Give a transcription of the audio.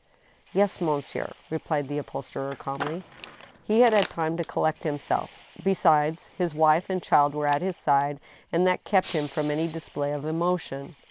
" Yes, monsieur," replied the upholsterer, calmly. He had had time to collect himself. Besides, his wife and child were at his side, and that kept him from any display of emotion.